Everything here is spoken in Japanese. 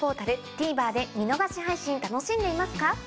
ＴＶｅｒで見逃し配信楽しんでいますか？